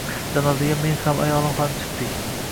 Janozaga men ham, ayolim ham chiqdik.